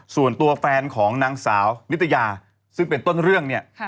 ส่วนตัวแฟนของนางสาวนิตยาซึ่งเป็นต้นเรื่องเนี่ย